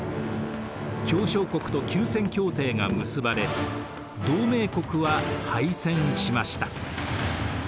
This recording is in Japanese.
協商国と休戦協定が結ばれ同盟国は敗戦しました。